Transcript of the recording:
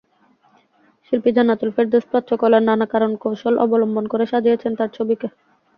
শিল্পী জান্নাতুল ফেরদৌস প্রাচ্যকলার নানা করণ-কৌশল অবলম্বন করে সাজিয়েছেন তাঁর ছবিকে।